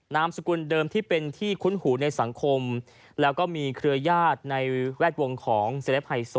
นามสกุลเดิมที่เป็นที่คุ้นหูในสังคมแล้วก็มีเครือญาติในแวดวงของเซลปไฮโซ